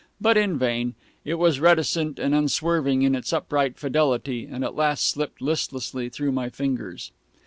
But in vain. It was reticent and unswerving in its upright fidelity, and at last slipped listlessly through my fingers.